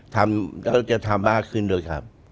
เราจะทำมากขึ้นด้วยครับ